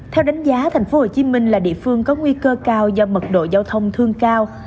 theo đánh giá tp hcm là địa phương có nguy cơ cao do mật độ giao thông thương cao